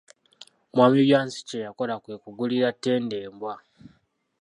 Mwami Byansi kye yakola kwe kugulira Ttendo embwa.